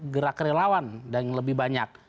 gerak relawan dan lebih banyak